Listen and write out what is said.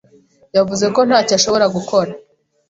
yavuze ko ntacyo ashobora gukora.